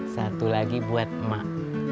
satu lagi buat emak